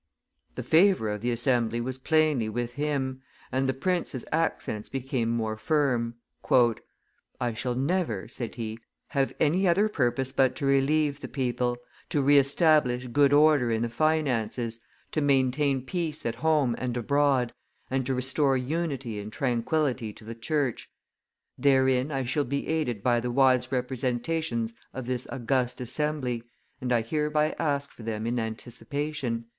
The favor of the assembly was plainly with him, and the prince's accents became more firm. "I shall never," said he, "have any other purpose but to relieve the people, to reestablish good order in the finances, to maintain peace at home and abroad, and to restore unity and tranquillity to the church; therein I shall be aided by the wise representations of this august assembly, and I hereby ask for them in anticipation."